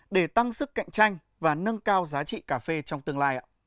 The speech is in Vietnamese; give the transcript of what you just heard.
để tăng sức cạnh tranh và nâng cao giá trị cà phê trong tương lai ạ